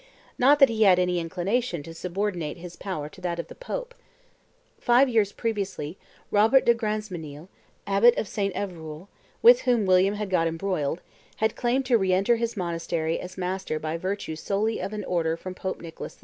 Not that he had any inclination to subordinate his power to that of the Pope. Five years previously, Robert de Grandmesnil, abbot of St. Evroul, with whom William had got embroiled, had claimed to re enter his monastery as master by virtue solely of an order from Pope Nicholas II.